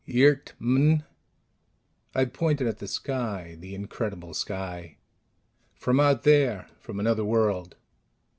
"Eert ... mn?" I pointed at the sky, the incredible sky. "From out there. From another world."